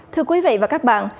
thưa quý vị và các bạn